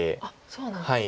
そうなんですね。